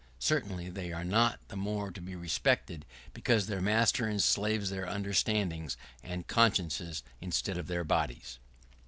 Certainly, they are not the more to be respected, because their master enslaves their understandings and consciences, instead of their bodies.